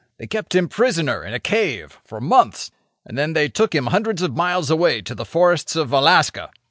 "They kept him prisoner in a cave for months, and then they took him hundreds of miles away to the forests of Alaska.